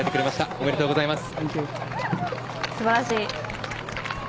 ありがとうございます。